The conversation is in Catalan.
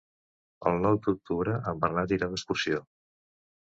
El nou d'octubre en Bernat irà d'excursió.